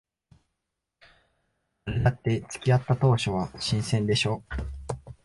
誰だって付き合った当初は新鮮でしょ。